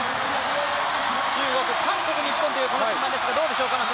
中国、韓国、日本というこの順番ですがどうですか。